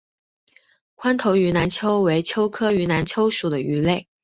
宽头云南鳅为鳅科云南鳅属的鱼类。